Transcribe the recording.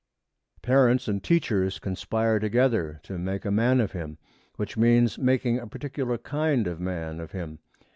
Parents and teachers conspire together to make a man of him, which means making a particular kind of man of him.